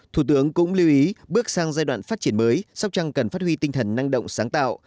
thủ tướng cũng lưu ý bước sang giai đoạn phát triển mới sóc trăng cần phát huy tinh thần năng động sáng tạo